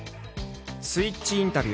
「スイッチインタビュー」。